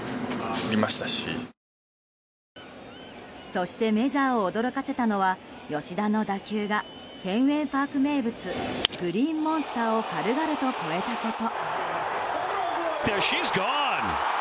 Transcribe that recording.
そしてメジャーを驚かせたのは吉田の打球がフェンウェイパーク名物グリーンモンスターを軽々と越えたこと。